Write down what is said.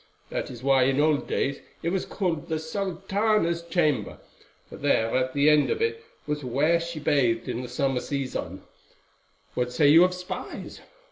That is why in old days it was called the Sultana's Chamber, for there at the end of it was where she bathed in the summer season. What say you of spies?